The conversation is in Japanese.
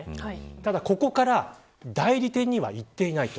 ただ、ここから代理店には、いっていない。